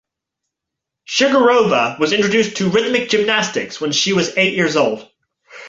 Shugurova was introduced to rhythmic gymnastics when she was eight years old.